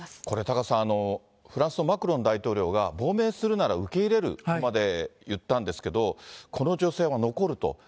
これ、タカさん、フランスのマクロン大統領が、亡命するなら受け入れるまで言ったんですけど、この女性は残ると。